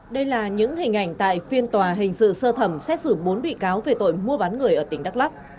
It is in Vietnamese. đây là những hình ảnh tại phiên tòa hình sự sơ thẩm xét xử bốn bị cáo về tội mua bán người ở tỉnh đắk lắc